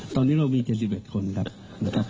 ตอนนี้เรามี๗๑คนครับ